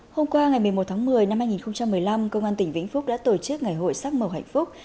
hôm qua ngày một mươi một tháng một mươi năm hai nghìn một mươi năm công an tỉnh vĩnh phúc đã tổ chức ngày hội sắc màu hạnh phúc